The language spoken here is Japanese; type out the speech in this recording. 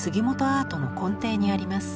アートの根底にあります。